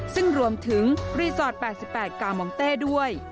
ซึ่งรวมถึงรีสอร์ท๘๘กามองเต้ด้วย